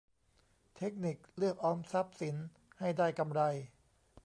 เทคนิคเลือกออมทรัพย์สินให้ได้กำไร